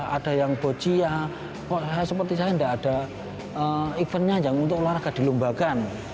ada yang bohcia seperti saya tidak ada eventnya untuk olahraga di lumbaga